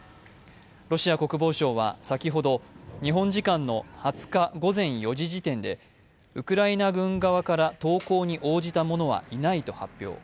ロシア国防省は先ほど、日本時間の２０日午前４時時点で、ウクライナ軍側から投降に応じた者はいないと発表。